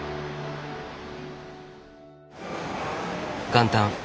元旦。